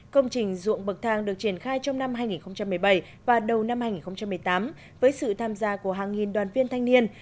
công trình ruộng bậc thang được triển khai trong năm hai nghìn một mươi bảy và đầu năm hai nghìn một mươi tám với sự tham gia của hàng nghìn đoàn viên thanh niên